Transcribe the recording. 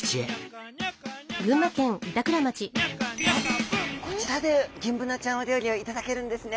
あっこちらでギンブナちゃんお料理を頂けるんですね。